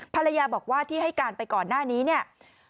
ภรรยาบอกว่าที่ให้การไปก่อนหน้านี้เนี่ย